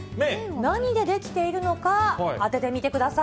何で出来ているのか、当ててみてください。